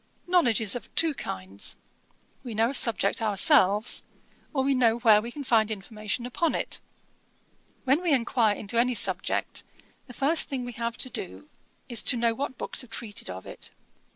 Knowledge is of two kinds. We know a subject ourselves, or we know where we can find information upon it. When we enquire into any subject, the first thing we have to do is to know what books have treated of it.